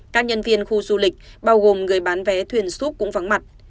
các nhân viên khu du lịch bao gồm người bán vé thuyền súp cũng vắng mặt